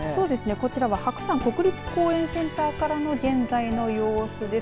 こちらは白山国立公園センターからの現在の様子です。